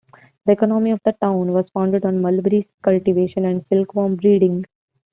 The economy of the town was founded on mulberry cultivation and silkworm breeding.